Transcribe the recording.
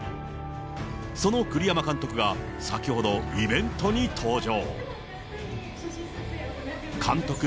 その栗山監督が、先ほどイベントに登場。